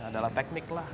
adalah teknik lah